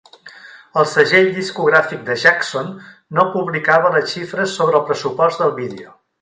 El segell discogràfic de Jackson no publicava les xifres sobre el pressupost del vídeo.